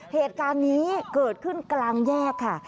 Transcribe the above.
เหตุการณ์นี้เกิดขึ้นกลางแยกค่ะ